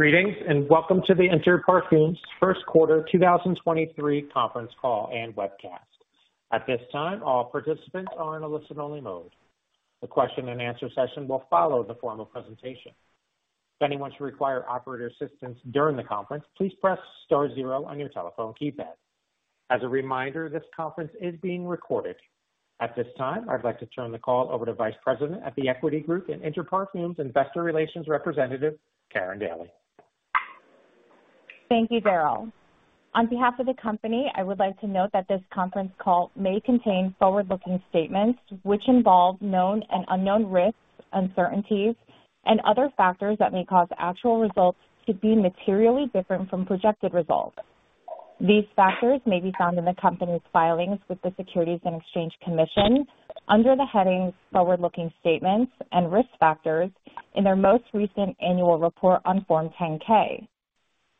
Greetings, welcome to the Interparfums First Quarter 2023 Conference Call and Webcast. At this time, all participants are in a listen-only mode. The question and answer session will follow the formal presentation. If anyone should require operator assistance during the conference, please press star zero on your telephone keypad. As a reminder, this conference is being recorded. At this time, I'd like to turn the call over to Vice President at The Equity Group and Interparfums Investor Relations representative, Karin Daly. Thank you, Daryl. On behalf of the company, I would like to note that this conference call may contain forward-looking statements which involve known and unknown risks, uncertainties, and other factors that may cause actual results to be materially different from projected results. These factors may be found in the company's filings with the Securities and Exchange Commission under the headings Forward-Looking Statements and Risk Factors in their most recent annual report on form 10-K.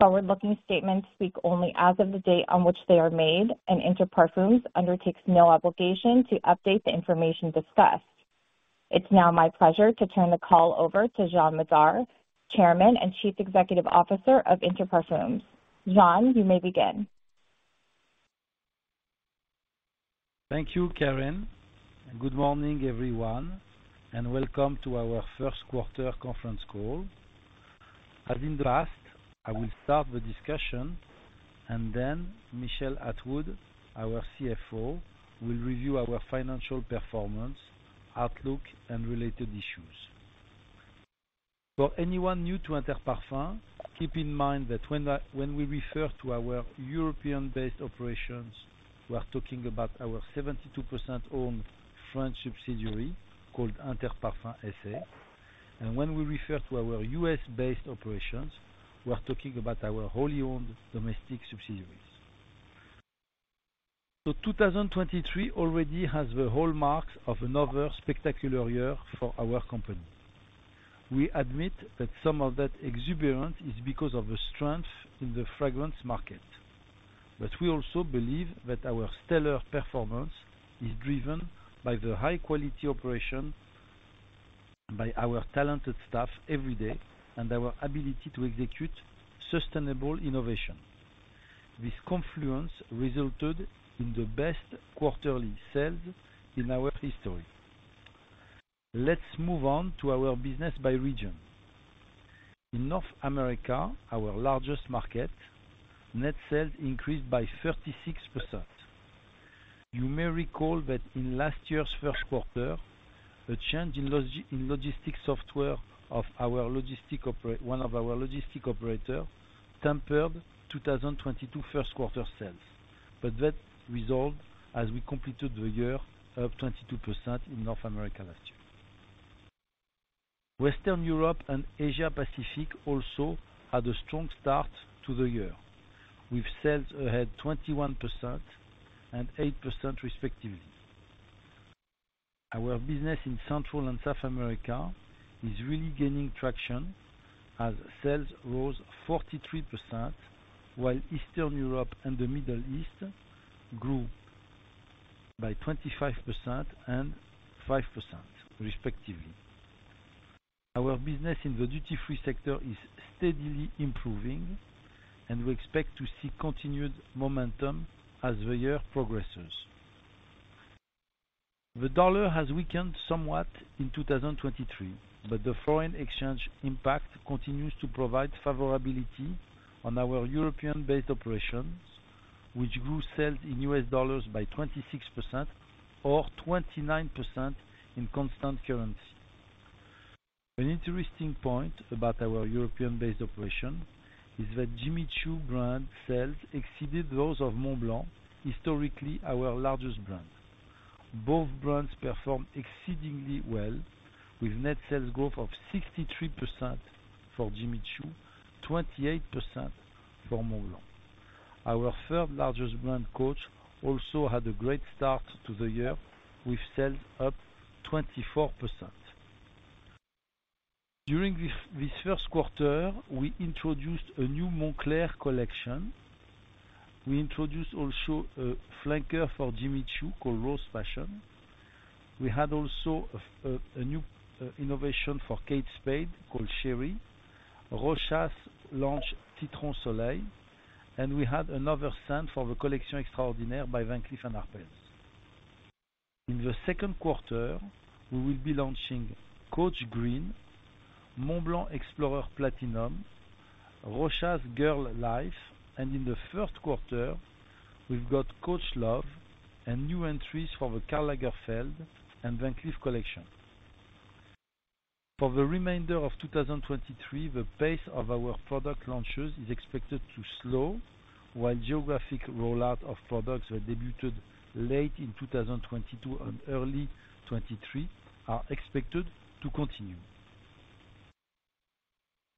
Forward-looking statements speak only as of the date on which they are made, Interparfums undertakes no obligation to update the information discussed. It's now my pleasure to turn the call over to Jean Madar, Chairman and Chief Executive Officer of Inter Parfums. Jean, you may begin. Thank you, Karin. Good morning, everyone, and welcome to our first quarter conference call. As in the last, I will start the discussion and then Michel Atwood, our CFO, will review our financial performance, outlook, and related issues. For anyone new to Interparfums, keep in mind that when we refer to our European-based operations, we are talking about our 72% owned French subsidiary called Interparfums SA. When we refer to our U.S.-based operations, we are talking about our wholly owned domestic subsidiaries. 2023 already has the hallmarks of another spectacular year for our company. We admit that some of that exuberance is because of the strength in the fragrance market. We also believe that our stellar performance is driven by the high-quality operation by our talented staff every day and our ability to execute sustainable innovation. This confluence resulted in the best quarterly sales in our history. Let's move on to our business by region. In North America, our largest market, net sales increased by 36%. You may recall that in last year's first quarter, a change in logistics software of one of our logistic operator tempered 2022 first quarter sales. That resolved as we completed the year up 22% in North America last year. Western Europe and Asia Pacific also had a strong start to the year, with sales ahead 21% and 8% respectively. Our business in Central and South America is really gaining traction as sales rose 43%, while Eastern Europe and the Middle East grew by 25% and 5% respectively. Our business in the duty-free sector is steadily improving and we expect to see continued momentum as the year progresses. The dollar has weakened somewhat in 2023, but the foreign exchange impact continues to provide favorability on our European-based operations, which grew sales in USD by 26% or 29% in constant currency. An interesting point about our European-based operation is that Jimmy Choo brand sales exceeded those of Montblanc, historically our largest brand. Both brands performed exceedingly well with net sales growth of 63% for Jimmy Choo, 28% for Montblanc. Our third-largest brand, Coach, also had a great start to the year with sales up 24%. During this first quarter, we introduced a new Moncler collection. We introduced also a flanker for Jimmy Choo called Rose Passion. We had also a new innovation for Kate Spade called Chérie. Rochas launched Citron Soleil, and we had another scent for the Collection Extraordinaire by Van Cleef & Arpels. In the second quarter, we will be launching Coach Green, Montblanc Explorer Platinum, Rochas Girl Life, and in the first quarter, we've got Coach Love and new entries for the Karl Lagerfeld and Van Cleef collection. For the remainder of 2023, the pace of our product launches is expected to slow while geographic rollout of products were debuted late in 2022 and early 2023 are expected to continue.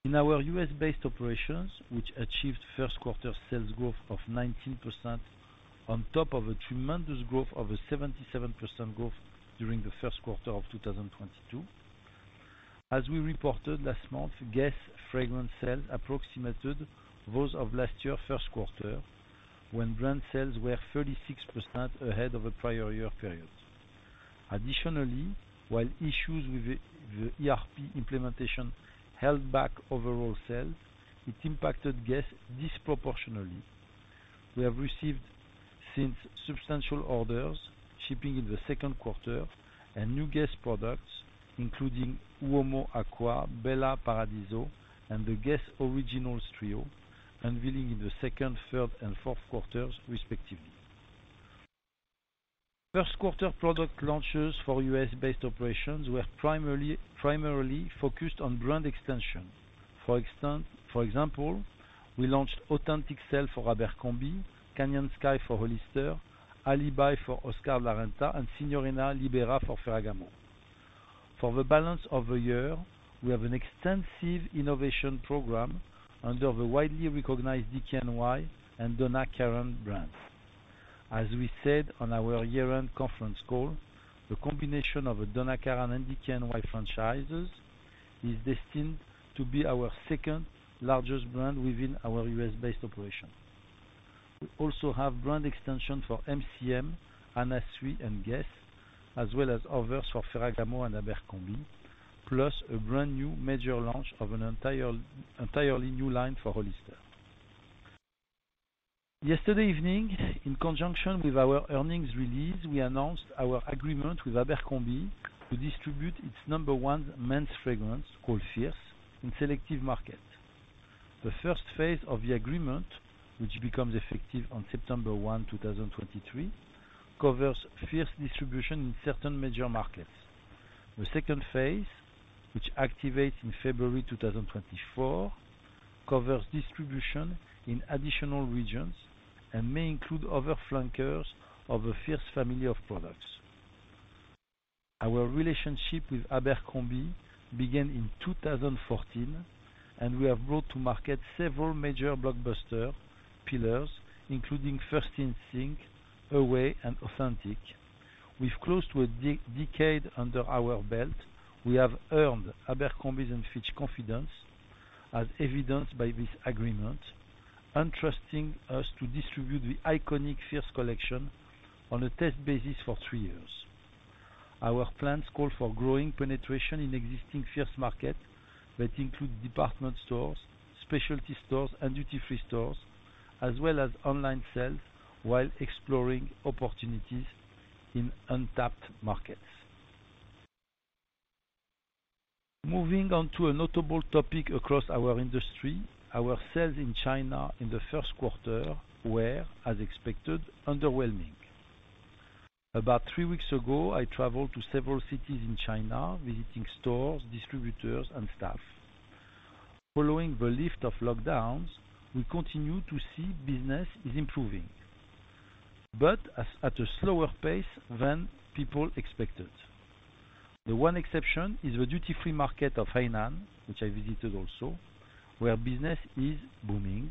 In our U.S.-based operations, which achieved first quarter sales growth of 19% on top of a tremendous growth of a 77% growth during the first quarter of 2022. As we reported last month, GUESS fragrance sales approximated those of last year first quarter, when brand sales were 36% ahead of the prior-year period. Additionally, while issues with the ERP implementation held back overall sales, it impacted GUESS disproportionately. We have received since substantial orders shipping in the second quarter and new Guess products, including UOMO ACQUA, Bella Paradiso, and the Guess Originals trio, unveiling in the second, third, and fourth quarters respectively. First quarter product launches for U.S.-based operations were primarily focused on brand extension. For example, we launched Authentic Self for Abercrombie, Canyon Sky for Hollister, Alibi for Oscar de la Renta, and Signorina Libera for Ferragamo. For the balance of the year, we have an extensive innovation program under the widely recognized DKNY and Donna Karan brands. As we said on our year-end conference call, the combination of a Donna Karan and DKNY franchises is destined to be our second-largest brand within our U.S.-based operation. We also have brand extension for MCM, Anna Sui, and GUESS, as well as others for Ferragamo and Abercrombie, plus a brand-new major launch of an entirely new line for Hollister. Yesterday evening, in conjunction with our earnings release, we announced our agreement with Abercrombie to distribute its number one men's fragrance, called Fierce, in selective markets. The first phase of the agreement, which becomes effective on September 1, 2023, covers Fierce distribution in certain major markets. The second phase, which activates in February 2024, covers distribution in additional regions and may include other flankers of the Fierce family of products. Our relationship with Abercrombie began in 2014, we have brought to market several major blockbuster pillars, including First Instinct, Away, and Authentic. With close to a decade under our belt, we have earned Abercrombie's and Fitch confidence, as evidenced by this agreement, entrusting us to distribute the iconic Fierce collection on a test basis for three years. Our plans call for growing penetration in existing Fierce market that include department stores, specialty stores, and duty-free stores, as well as online sales, while exploring opportunities in untapped markets. Moving on to a notable topic across our industry, our sales in China in the first quarter were, as expected, underwhelming. About three weeks ago, I traveled to several cities in China, visiting stores, distributors, and staff. Following the lift of lockdowns, we continue to see business is improving, but at a slower pace than people expected. The one exception is the duty-free market of Hainan, which I visited also, where business is booming.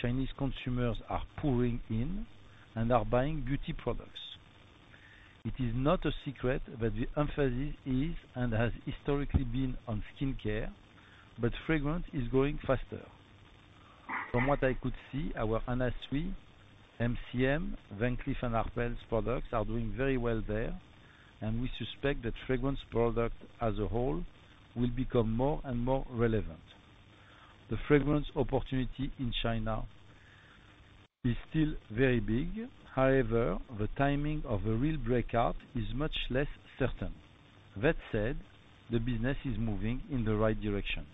Chinese consumers are pouring in and are buying beauty products. It is not a secret that the emphasis is and has historically been on skincare, but fragrance is growing faster. From what I could see, our Anna Sui, MCM, Van Cleef & Arpels products are doing very well there, and we suspect that fragrance product as a whole will become more and more relevant. The fragrance opportunity in China is still very big. The timing of a real breakout is much less certain. That said, the business is moving in the right direction.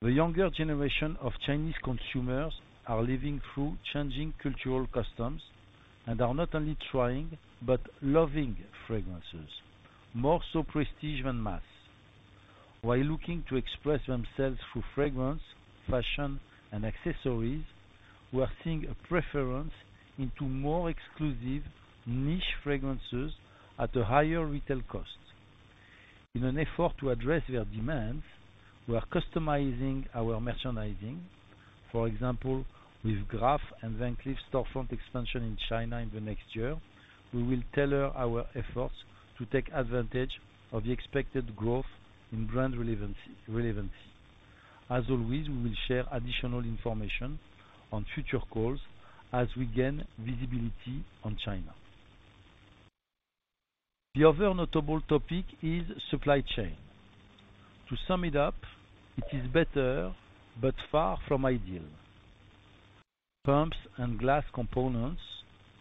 The younger generation of Chinese consumers are living through changing cultural customs and are not only trying, but loving fragrances, more so prestige than mass. While looking to express themselves through fragrance, fashion, and accessories, we are seeing a preference into more exclusive niche fragrances at a higher retail cost. In an effort to address their demands, we are customizing our merchandising. For example, with Graff and Van Cleef storefront expansion in China in the next year, we will tailor our efforts to take advantage of the expected growth in brand relevancy. As always, we will share additional information on future calls as we gain visibility on China. The other notable topic is supply chain. To sum it up, it is better, but far from ideal. Pumps and glass components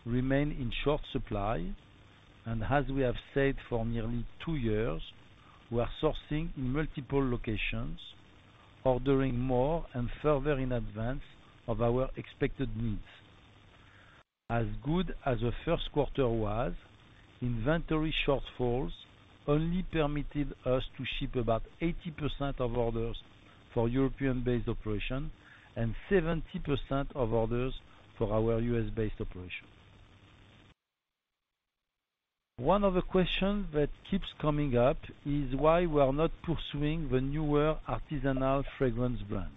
remain in short supply, and as we have said for nearly two years, we are sourcing in multiple locations, ordering more and further in advance of our expected needs. As good as the first quarter was, inventory shortfalls only permitted us to ship about 80% of orders for European-based operation and 70% of orders for our U.S.-based operation. One of the questions that keeps coming up is why we are not pursuing the newer artisanal fragrance brands.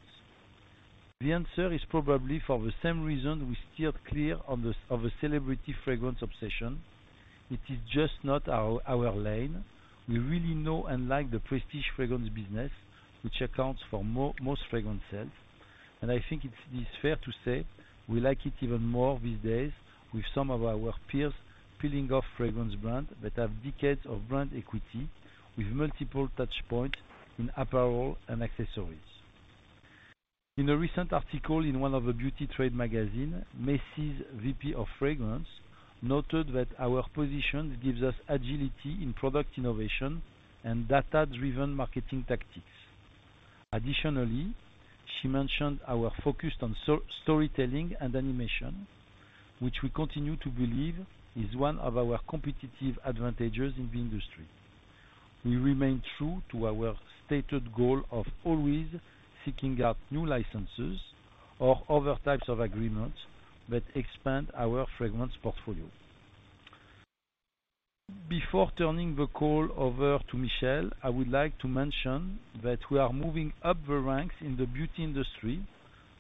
The answer is probably for the same reason we steered clear of a celebrity fragrance obsession. It is just not our lane. We really know and like the prestige fragrance business, which accounts for most fragrance sales. I think it is fair to say we like it even more these days with some of our peers peeling off fragrance brands that have decades of brand equity with multiple touch points in apparel and accessories. In a recent article in one of the beauty trade magazine, Macy's VP of fragrance noted that our position gives us agility in product innovation and data-driven marketing tactics. She mentioned our focus on storytelling and animation, which we continue to believe is one of our competitive advantages in the industry. We remain true to our stated goal of always seeking out new licenses or other types of agreements that expand our fragrance portfolio. Before turning the call over to Michel, I would like to mention that we are moving up the ranks in the beauty industry.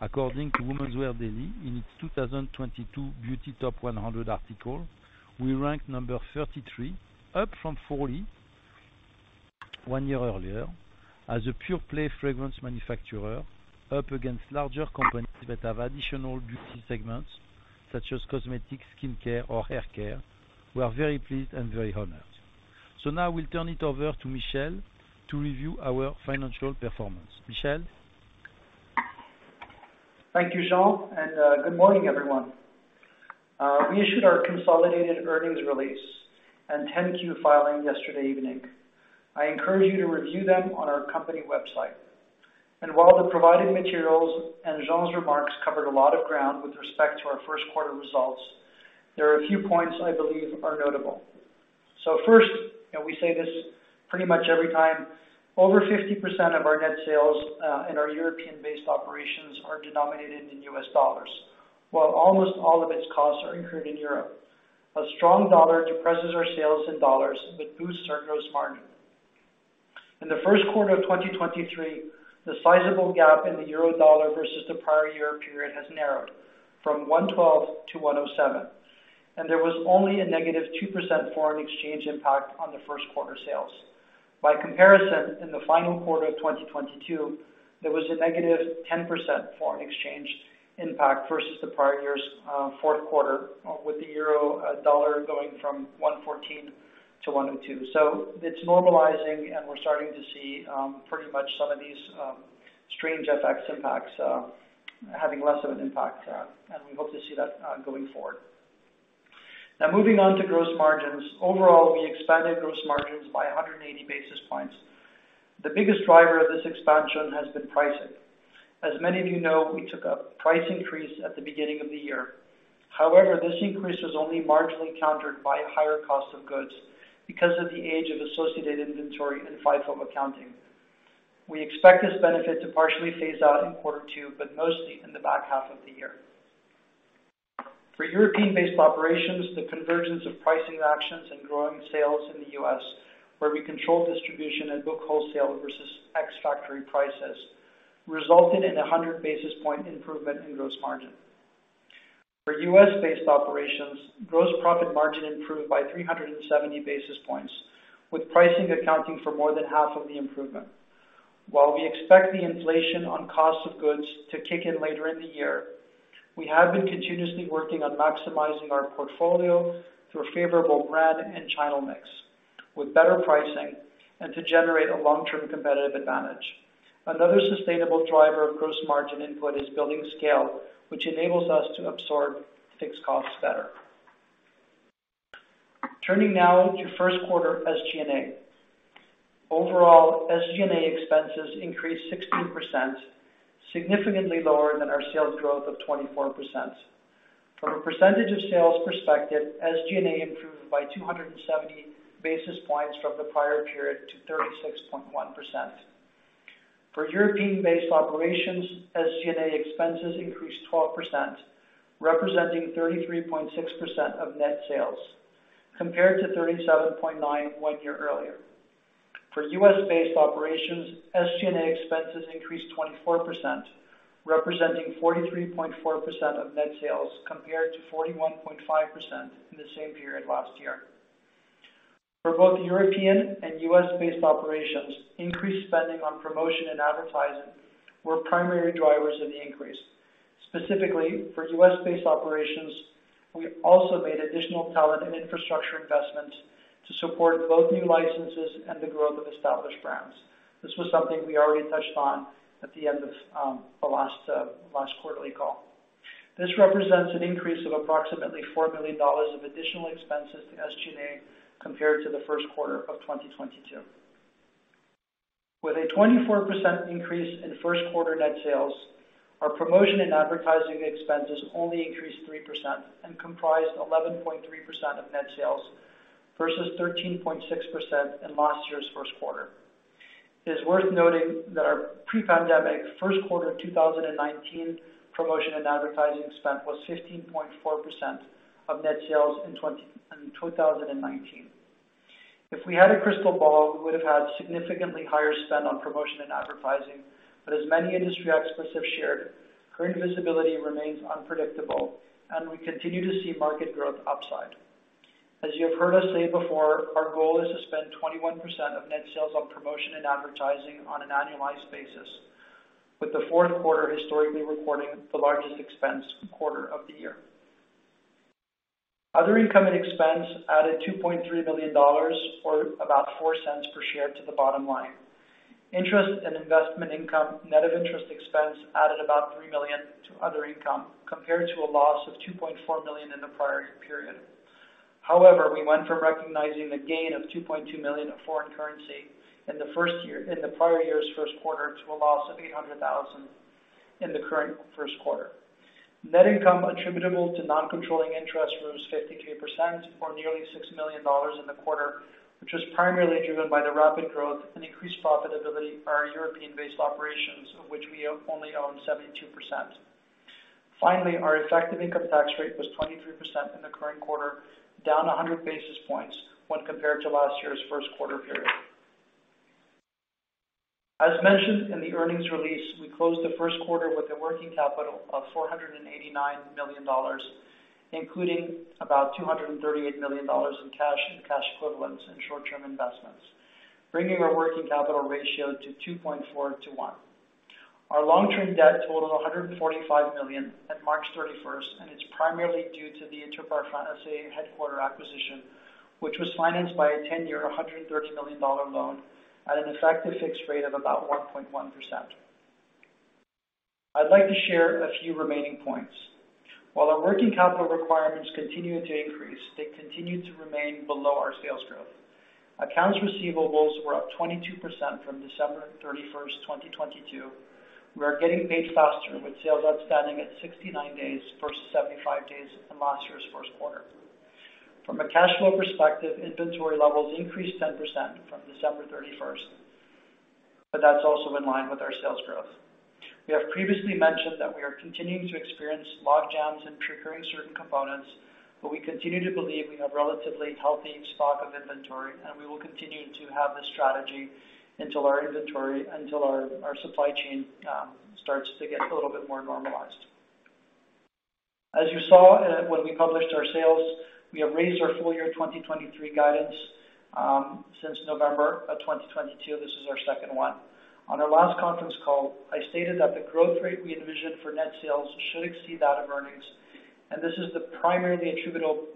According to Women's Wear Daily, in its 2022 beauty top 100 article, we ranked number 33, up from 41 year earlier. As a pure-play fragrance manufacturer, up against larger companies that have additional beauty segments such as cosmetics, skincare, or haircare. We are very pleased and very honored. Now I will turn it over to Michel to review our financial performance. Michel? Thank you, Jean, good morning, everyone. We issued our consolidated earnings release and 10-Q filing yesterday evening. I encourage you to review them on our company website. While the provided materials and Jean's remarks covered a lot of ground with respect to our first quarter results, there are a few points I believe are notable. First, and we say this pretty much every time. Over 50% of our net sales in our European-based operations are denominated in U.S. dollars. While almost all of its costs are incurred in Europe, a strong dollar depresses our sales in dollars but boosts our gross margin. In the first quarter of 2023, the sizable gap in the euro dollar versus the prior year period has narrowed from 1.12 to 1.07, and there was only a -2% foreign exchange impact on the first quarter sales. By comparison, in the final quarter of 2022, there was a -10% foreign exchange impact versus the prior year's fourth quarter, with the euro dollar going from 1.14 to 1.02. It's normalizing, and we're starting to see pretty much some of these strange FX impacts having less of an impact. We hope to see that going forward. Moving on to gross margins. Overall, we expanded gross margins by 180 basis points. The biggest driver of this expansion has been pricing. As many of you know, we took a price increase at the beginning of the year. However, this increase was only marginally countered by higher cost of goods because of the age of associated inventory and FIFO accounting. We expect this benefit to partially phase out in quarter two, but mostly in the back half of the year. For European-based operations, the convergence of pricing actions and growing sales in the US, where we control distribution and book wholesale versus ex-factory prices, resulted in a 100 basis point improvement in gross margin. For U.S.-based operations, gross profit margin improved by 370 basis points, with pricing accounting for more than half of the improvement. While we expect the inflation on cost of goods to kick in later in the year, we have been continuously working on maximizing our portfolio through a favorable brand and channel mix with better pricing and to generate a long-term competitive advantage. Another sustainable driver of gross margin input is building scale, which enables us to absorb fixed costs better. Turning now to first quarter SG&A. Overall, SG&A expenses increased 16%, significantly lower than our sales growth of 24%. From a percentage of sales perspective, SG&A improved by 270 basis points from the prior period to 36.1%. For European-based operations, SG&A expenses increased 12%, representing 33.6% of net sales, compared to 37.9% one year earlier. For U.S.-based operations, SG&A expenses increased 24%, representing 43.4% of net sales, compared to 41.5% in the same period last year. For both European and U.S.-based operations, increased spending on promotion and advertising were primary drivers of the increase. Specifically, for U.S.-based operations, we also made additional talent and infrastructure investments to support both new licenses and the growth of established brands. This was something we already touched on at the end of the last quarterly call. This represents an increase of approximately $4 million of additional expenses to SG&A compared to the first quarter of 2022. With a 24% increase in first quarter net sales, our promotion and advertising expenses only increased 3% and comprised 11.3% of net sales versus 13.6% in last year's first quarter. It is worth noting that our pre-pandemic first quarter 2019 promotion and advertising spend was 15.4% of net sales in 2019. If we had a crystal ball, we would have had significantly higher spend on promotion and advertising. As many industry experts have shared, current visibility remains unpredictable, and we continue to see market growth upside. As you have heard us say before, our goal is to spend 21% of net sales on promotion and advertising on an annualized basis, with the fourth quarter historically reporting the largest expense quarter of the year. Other income and expense added $2.3 million, or about $0.04 per share to the bottom line. Interest and investment income net of interest expense added about $3 million to other income, compared to a loss of $2.4 million in the prior period. We went from recognizing the gain of $2.2 million of foreign currency in the prior year's first quarter, to a loss of $800,000 in the current first quarter. Net income attributable to non-controlling interest rose 50%, or nearly $6 million in the quarter, which was primarily driven by the rapid growth and increased profitability of our European-based operations, of which we only own 72%. Our effective income tax rate was 23% in the current quarter, down 100 basis points when compared to last year's first quarter period. As mentioned in the earnings release, we closed the first quarter with a working capital of $489 million, including about $238 million in cash and cash equivalents and short-term investments, bringing our working capital ratio to 2.4 to one. Our long-term debt totaled $145 million at March 31st, and it's primarily due to the Interparfums SA headquarter acquisition, which was financed by a 10-year, $130 million loan at an effective fixed rate of about 1.1%. I'd like to share a few remaining points. While our working capital requirements continue to increase, they continue to remain below our sales growth. Accounts receivables were up 22% from December 31st, 2022. We are getting paid faster with sales outstanding at 69 days versus 75 days in last year's first quarter. From a cash flow perspective, inventory levels increased 10% from December 31st. That's also in line with our sales growth. We have previously mentioned that we are continuing to experience logjams in procuring certain components. We continue to believe we have relatively healthy stock of inventory, and we will continue to have this strategy until our supply chain starts to get a little bit more normalized. As you saw when we published our sales, we have raised our full year 2023 guidance since November of 2022. This is our second one. On our last conference call, I stated that the growth rate we envisioned for net sales should exceed that of earnings. This is primarily attributable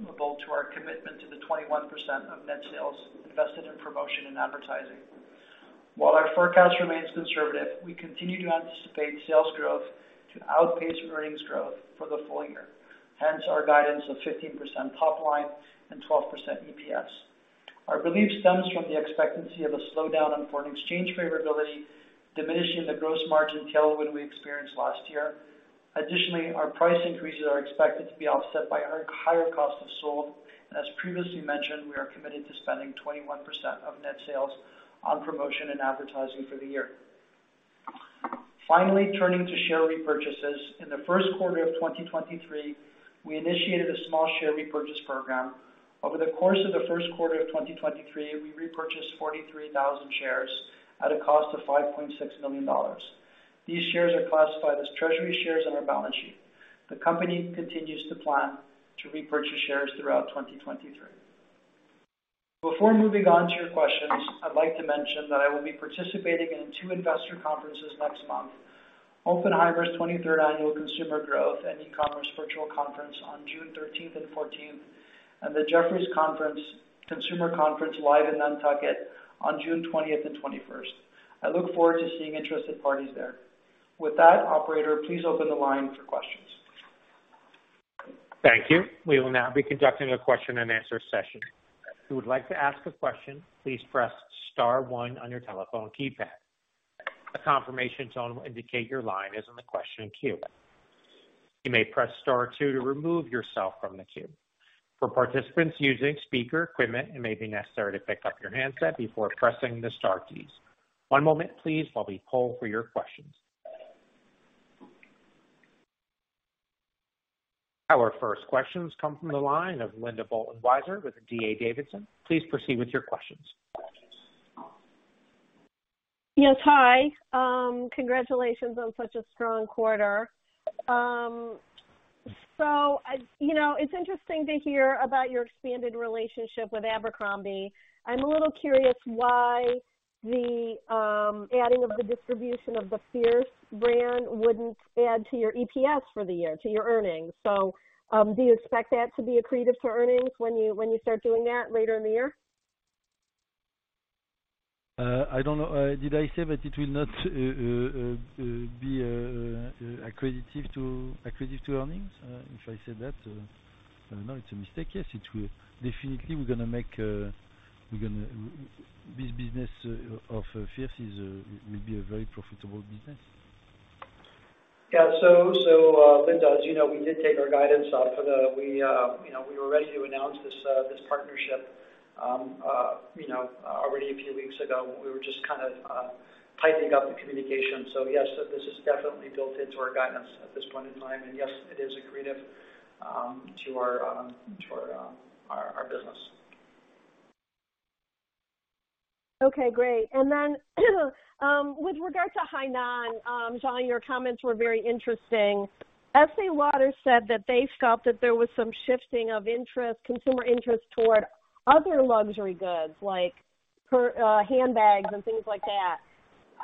to our commitment to the 21% of net sales invested in promotion and advertising. While our forecast remains conservative, we continue to anticipate sales growth to outpace earnings growth for the full year, hence our guidance of 15% top line and 12% EPS. Our belief stems from the expectancy of a slowdown in foreign exchange favorability, diminishing the gross margin tailwind we experienced last year. Additionally, our price increases are expected to be offset by our higher cost of sold, and as previously mentioned, we are committed to spending 21% of net sales on promotion and advertising for the year. Turning to share repurchases. In the first quarter of 2023, we initiated a small share repurchase program. Over the course of the first quarter of 2023, we repurchased 43,000 shares at a cost of $5.6 million. These shares are classified as treasury shares on our balance sheet. The company continues to plan to repurchase shares throughout 2023. Before moving on to your questions, I'd like to mention that I will be participating in two investor conferences next month. Oppenheimer 23rd Annual Consumer Growth and E-Commerce virtual conference on June 13th and 14th, and the Jefferies consumer conference live in Nantucket on June 20th and 21st. I look forward to seeing interested parties there. With that, operator, please open the line for questions. Thank you. We will now be conducting a question and answer session. If you would like to ask a question, please press star one on your telephone keypad. A confirmation tone will indicate your line is in the question queue. You may press star two to remove yourself from the queue. For participants using speaker equipment, it may be necessary to pick up your handset before pressing the star keys. One moment please while we poll for your questions. Our first questions come from the line of Linda Bolton Weiser with D.A. Davidson. Please proceed with your questions. Yes. Hi. Congratulations on such a strong quarter. You know, it's interesting to hear about your expanded relationship with Abercrombie. I'm a little curious why the adding of the distribution of the Fierce brand wouldn't add to your EPS for the year, to your earnings. Do you expect that to be accretive to earnings when you, when you start doing that later in the year? I don't know. Uh, did I say that it will not, be, uh, accretive to, accretive to earnings? Uh, if I said that, uh, I don't know, it's a mistake. Yes, it will. Definitely, we're gonna make, uh, we're gonna... This business, uh, of Fierce is, uh, will be a very profitable business. Yeah. Linda, as you know, we did take our guidance off of the. We, you know, we were ready to announce this partnership, you know, already a few weeks ago. We were just kind of tightening up the communication. Yes, this is definitely built into our guidance at this point in time. Yes, it is accretive to our to our business. Okay, great. Then with regard to Hainan, Jean, your comments were very interesting. Estée Lauder said that they felt that there was some shifting of interest, consumer interest toward other luxury goods, like handbags and things like that.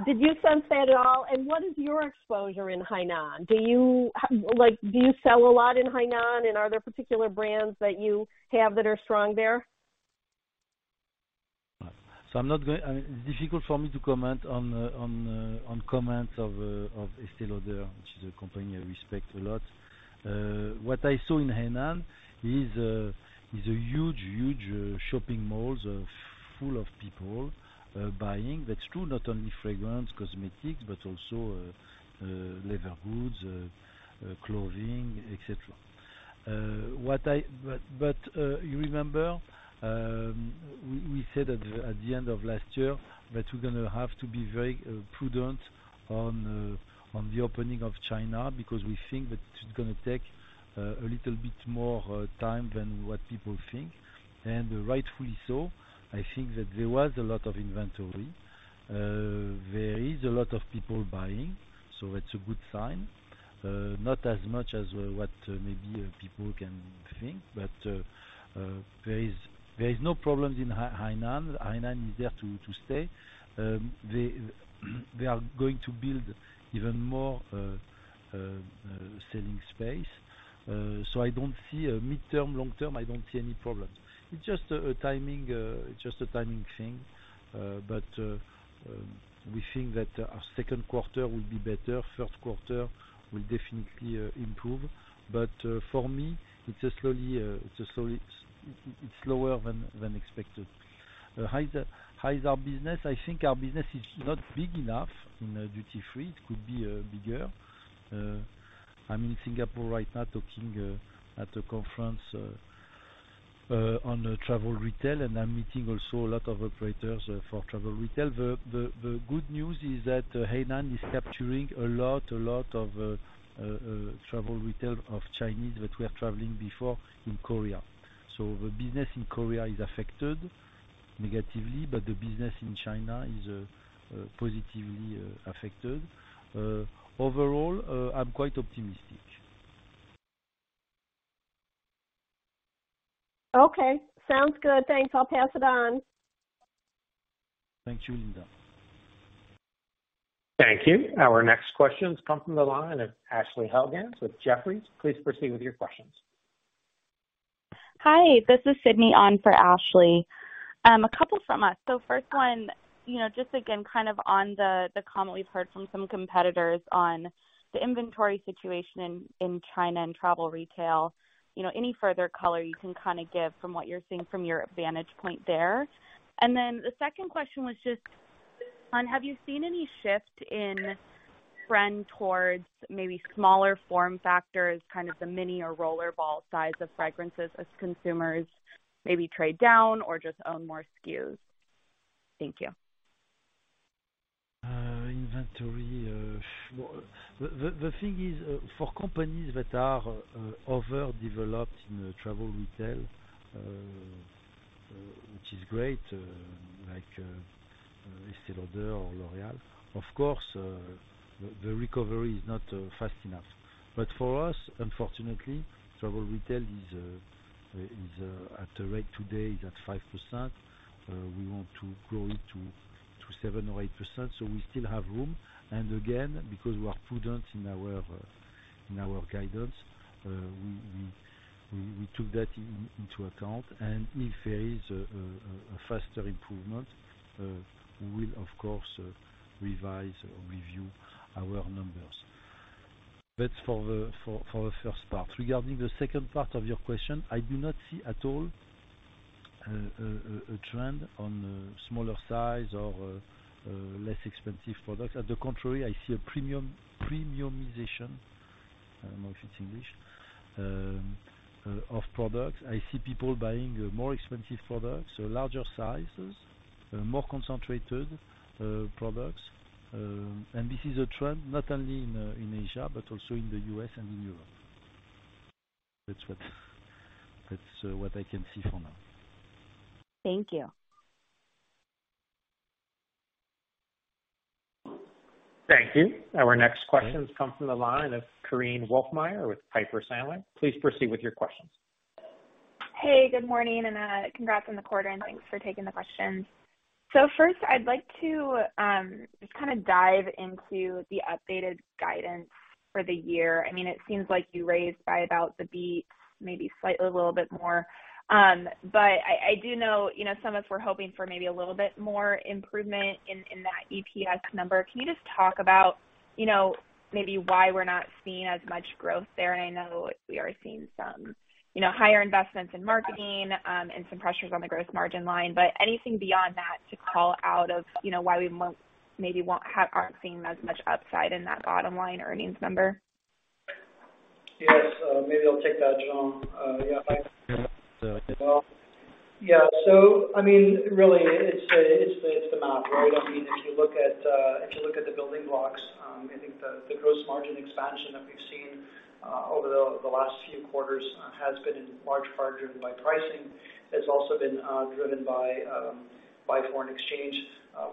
Did you sense that at all? What is your exposure in Hainan? Do you like, do you sell a lot in Hainan, and are there particular brands that you have that are strong there? I mean, it's difficult for me to comment on the comments of Estée Lauder, which is a company I respect a lot. What I saw in Hainan is a huge, huge shopping malls full of people buying. That's true, not only fragrance, cosmetics, but also leather goods, clothing, et cetera. You remember, we said at the end of last year that we're gonna have to be very prudent on the opening of China because we think that it's gonna take a little bit more time than what people think. Rightfully so, I think that there was a lot of inventory. There is a lot of people buying, so it's a good sign. Not as much as what maybe people can think, there is no problems in Hainan. Hainan is there to stay. They are going to build even more selling space. I don't see a midterm, long-term, I don't see any problems. It's just a timing thing. We think that our second quarter will be better. First quarter will definitely improve. For me, it's slower than expected. How is our business? I think our business is not big enough in duty-free. It could be bigger. I'm in Singapore right now talking at a conference on a travel retail, and I'm meeting also a lot of operators for travel retail. The good news is that Hainan is capturing a lot of travel retail of Chinese that were traveling before in Korea. The business in Korea is affected negatively, but the business in China is positively affected. Overall, I'm quite optimistic. Okay. Sounds good. Thanks. I'll pass it on. Thanks, Linda. Thank you. Our next question comes from the line of Ashley Helgans with Jefferies. Please proceed with your questions. Hi, this is Sydney on for Ashley. A couple from us. First one, you know, just again, kind of on the comment we've heard from some competitors on the inventory situation in China and travel retail. You know, any further color you can kind of give from what you're seeing from your vantage point there? Then the second question was just on, have you seen any shift in trend towards maybe smaller form factors, kind of the mini or rollerball size of fragrances as consumers maybe trade down or just own more SKUs? Thank you. Uh, inventory, well, the thing is, uh, for companies that are, uh, overdeveloped in the travel retail, which is great, like, Estée Lauder or L'Oréal, of course, the, the recovery is not, fast enough. But for us, unfortunately, travel retail is, at a rate today that five percent, we want to grow it to, to seven or eight percent, so we still have room. And again, because we are prudent in our, in our guidance, we took that in-into account. And if there is a, faster improvement, we will, of course, revise or review our numbers. That's for the, for, for the first part. Regarding the second part of your question, I do not see at all a trend on smaller size or less expensive products. At the contrary, I see a premiumization, I don't know if it's English, of products. I see people buying more expensive products, larger sizes, more concentrated products. This is a trend not only in Asia, but also in the U.S. and in Europe. That's what I can see for now. Thank you. Thank you. Our next question comes from the line of Korinne Wolfmeyer with Piper Sandler. Please proceed with your questions. Good morning, and congrats on the quarter, and thanks for taking the questions. First, I'd like to just kind of dive into the updated guidance for the year. I mean, it seems like you raised by about the beat, maybe slightly a little bit more. I do know, you know, some of us were hoping for maybe a little bit more improvement in that EPS number. Can you just talk about, you know, maybe why we're not seeing as much growth there? I know we are seeing some, you know, higher investments in marketing, and some pressures on the gross margin line, but anything beyond that to call out of, you know, why we aren't seeing as much upside in that bottom line earnings number? Yes. Maybe I'll take that, Jean. Yeah. Mm-hmm. Yeah. I mean, really it's the math, right? I mean, if you look at, if you look at the building blocks, I think the gross margin expansion that we've seen over the last few quarters has been in large part driven by pricing. It's also been driven by foreign exchange.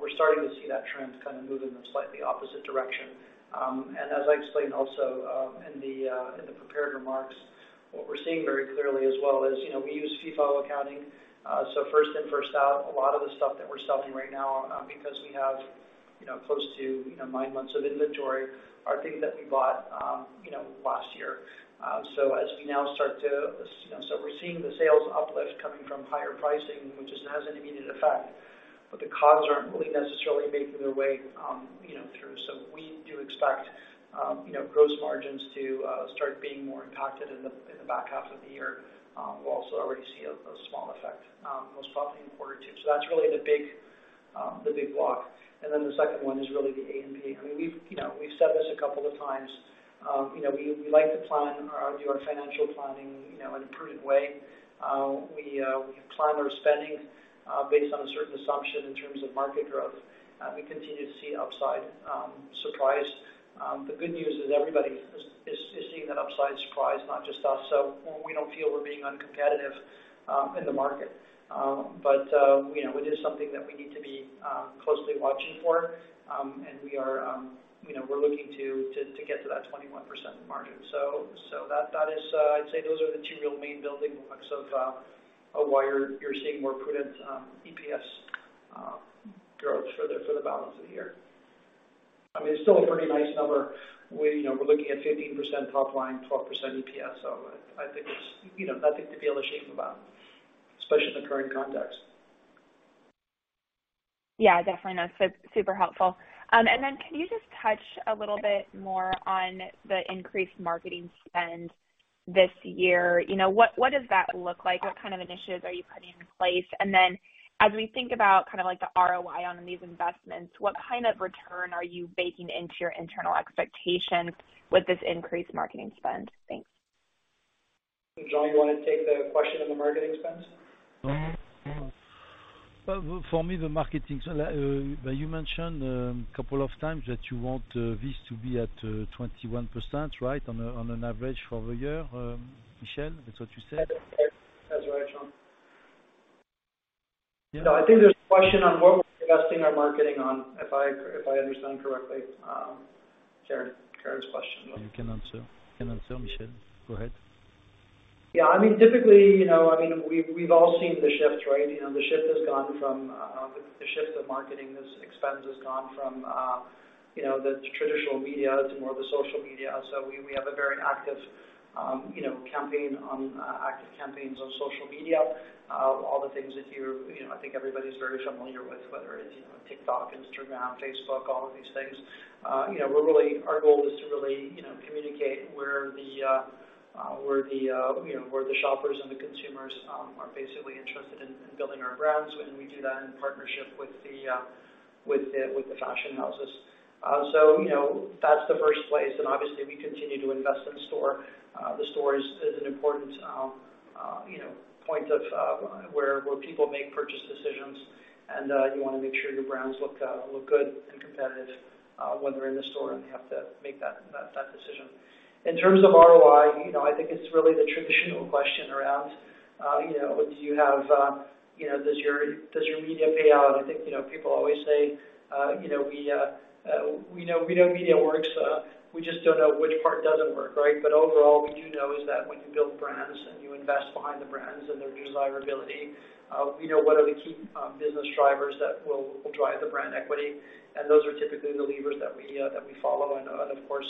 We're starting to see that trend kind of move in a slightly opposite direction. As I explained also, in the prepared remarks, what we're seeing very clearly as well is, you know, we use FIFO accounting. First in, first out, a lot of the stuff that we're selling right now, because we have, you know, close to, you know, nine months of inventory are things that we bought, you know, last year. We're seeing the sales uplift coming from higher pricing, which just has an immediate effect, but the COGS aren't really necessarily making their way, you know through. We do expect, you know, gross margins to start being more impacted in the back half of the year. We'll also already see a small effect most probably in quarter two. That's really the big, the big block. The second one is really the A&P. I mean, we've, you know, we've said this a couple of times. You know, we like to plan or do our financial planning, you know, in a prudent way. We, we plan our spending based on a certain assumption in terms of market growth. We continue to see upside surprise. The good news is everybody is seeing that upside surprise, not just us. We don't feel we're being uncompetitive in the market. You know, it is something that we need to be closely watching for. We are, you know, we're looking to get to that 21% margin. That is, I'd say those are the two real main building blocks of why you're seeing more prudent EPS growth for the balance of the year. I mean, it's still a pretty nice number. We, you know, we're looking at 15% top line, 12% EPS. I think it's, you know, nothing to be ashamed about, especially in the current context. Yeah, definitely. No, super helpful. Can you just touch a little bit more on the increased marketing spend this year? You know, what does that look like? What kind of initiatives are you putting in place? As we think about kind of like the ROI on these investments, what kind of return are you baking into your internal expectations with this increased marketing spend? Thanks. Jean, you wanna take the question on the marketing spend? Well, for me, the marketing, you mentioned a couple of times that you want this to be at 21%, right? On an average for the year, Michel, that's what you said? That's right, Jean. Yeah. No, I think there's a question on what we're investing our marketing on, if I understand correctly, Korinne's question. You can answer. You can answer, Michel. Go ahead. Yeah, I mean, typically, you know, I mean, we've all seen the shift, right? You know, the shift has gone from the shift of marketing as expense has gone from, you know, the traditional media to more of a social media. We have a very active, you know, campaign on active campaigns on social media. All the things that you're, you know, I think everybody's very familiar with, whether it's, you know, TikTok, Instagram, Facebook, all of these things. You know, our goal is to really, you know, communicate where the, where the, where the, you know, where the shoppers and the consumers are basically interested in building our brands. We do that in partnership with the fashion houses. You know, that's the first place, and obviously we continue to invest in store. The store is an important, you know, point of, where people make purchase decisions. You wanna make sure your brands look good and competitive, when they're in the store, and they have to make that decision. In terms of ROI, you know, I think it's really the traditional question around, you know, do you have, you know, does your media pay out? I think, you know, people always say, you know, we know media works, we just don't know which part doesn't work, right? Overall, what we do know is that when you build brands and you invest behind the brands and their desirability, we know what are the key business drivers that will drive the brand equity. Those are typically the levers that we that we follow. Of course,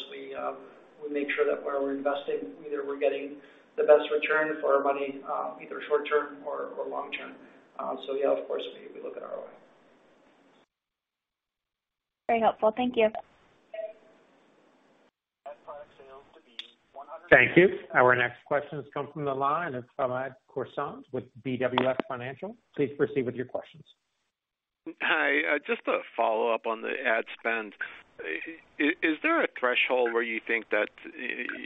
we make sure that where we're investing, either we're getting the best return for our money, either short term or long term. Yeah, of course, we look at ROI. Very helpful. Thank you. Net product sales to be $150. Thank you. Our next question has come from the line of Hamed Khorsand with BWS Financial. Please proceed with your questions. Hi. Just a follow-up on the ad spend. Is there a threshold where you think that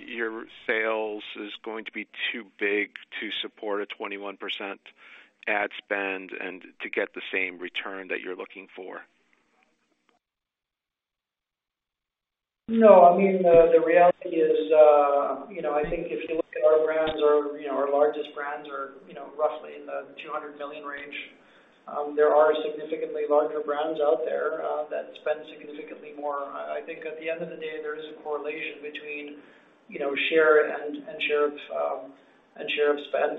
your sales is going to be too big to support a 21% ad spend and to get the same return that you're looking for? No. I mean, the reality is, you know, I think if you look at our brands, our, you know, largest brands are, you know, roughly in the $200 million range. There are significantly larger brands out there that spend significantly more. I think at the end of the day, there is a correlation between, you know, share and share of, and share of spend.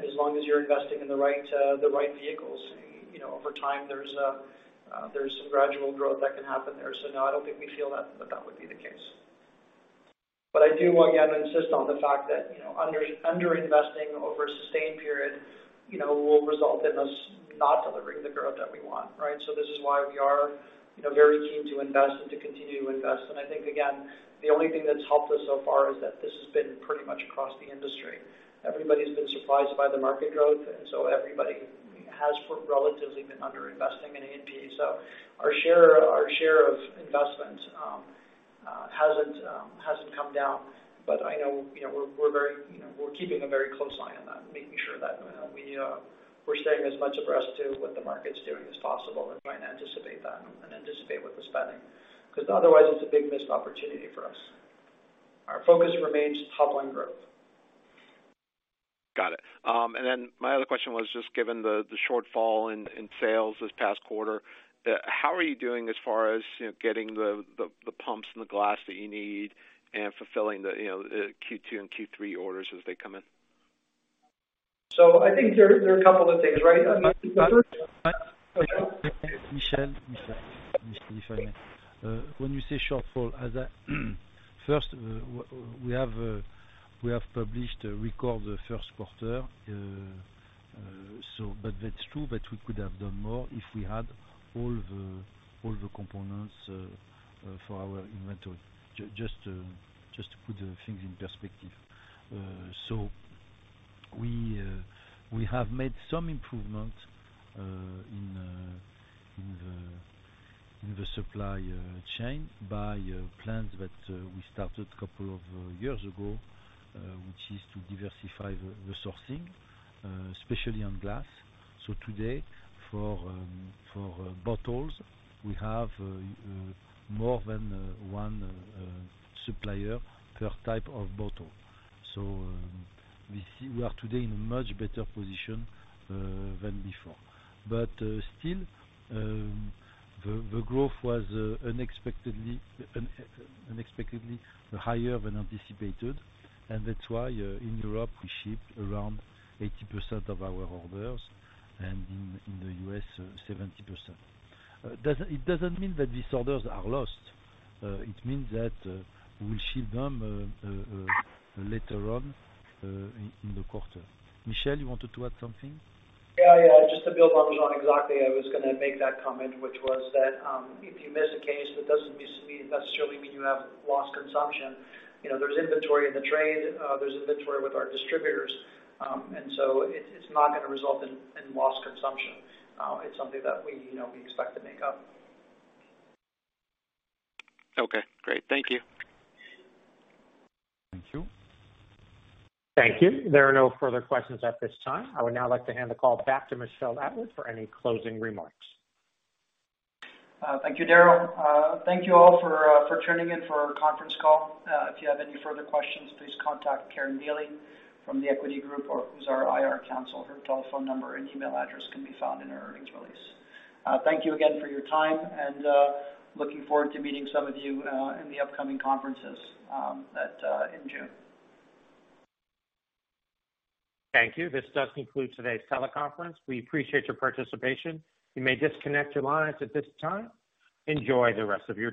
As long as you're investing in the right, the right vehicles, you know, over time, there's some gradual growth that can happen there. No, I don't think we feel that that would be the case. But I do again insist on the fact that, you know, under-investing over a sustained period, you know, will result in us not delivering the growth that we want, right? This is why we are, you know, very keen to invest and to continue to invest. I think again, the only thing that's helped us so far is that this has been pretty much across the industry. Everybody's been surprised by the market growth, and so everybody has relatively been under-investing in A&P. Our share of investment hasn't come down. I know, you know, we're very, you know, we're keeping a very close eye on that, making sure that, you know, we're staying as much abreast to what the market's doing as possible and trying to anticipate that and anticipate with the spending, 'cause otherwise it's a big missed opportunity for us. Our focus remains top-line growth. Got it. My other question was just given the shortfall in sales this past quarter, how are you doing as far as, you know, getting the pumps and the glass that you need and fulfilling the, you know, the Q2 and Q3 orders as they come in? I think there are a couple of things, right? Michel. Go ahead. Michel, when you say shortfall, first, we have published a record the first quarter. That's true, but we could have done more if we had all the components for our inventory, just to put the things in perspective. We have made some improvement in the supply chain by plans that we started a couple of years ago, which is to diversify the sourcing, especially on glass. Today, for bottles, we have more than one supplier per type of bottle. We are today in a much better position than before. Still, the growth was unexpectedly higher than anticipated, and that's why in Europe, we ship around 80% of our orders, and in the U.S., 70%. It doesn't mean that these orders are lost. It means that we'll ship them later on in the quarter. Michel, you wanted to add something? Yeah, yeah. Just to build on Jean. Exactly. I was gonna make that comment, which was that, if you miss a case, it doesn't necessarily mean you have lost consumption. You know, there's inventory in the trade. There's inventory with our distributors. It's not gonna result in lost consumption. It's something that we, you know, we expect to make up. Okay, great. Thank you. Thank you. Thank you. There are no further questions at this time. I would now like to hand the call back to Michel Atwood for any closing remarks. Thank you, Daryl. Thank you all for tuning in for our conference call. If you have any further questions, please contact Karin Daly from The Equity Group or who's our IR counsel. Her telephone number and email address can be found in our earnings release. Thank you again for your time, and looking forward to meeting some of you in the upcoming conferences at in June. Thank you. This does conclude today's teleconference. We appreciate your participation. You may disconnect your lines at this time. Enjoy the rest of your day.